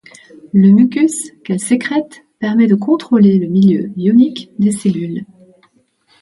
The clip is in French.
Le mucus qu'elles sécrètent permet de contrôler le milieu ionique des cellules.